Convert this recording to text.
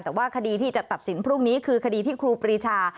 แต่ว่าคดีที่จะตัดสินพรุ่งนี้คือคดีที่ครูปรีชา